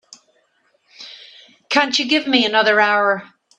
Can't you give me another hour?